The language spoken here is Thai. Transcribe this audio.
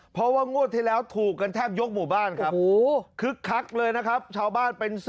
เพราะว่างวดที่แล้วถูกกันแทบยกหมู่บ้านครับคึกคักเลยนะครับชาวบ้านเป็น๑๐